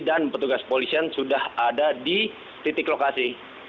dan petugas polisian sudah ada di titik lokasi